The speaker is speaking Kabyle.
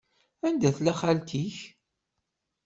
Anda tella xalti-k?